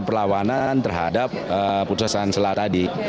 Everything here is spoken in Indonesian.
perlawanan terhadap putusan selah tadi